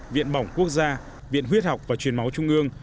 viện bỏng quốc gia viện huyết học và truyền máu trung ương